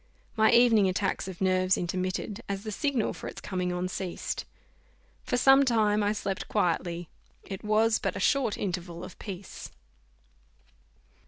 My evening attack of nerves intermitted, as the signal for its coming on, ceased. For some time I slept quietly: it was but a short interval of peace.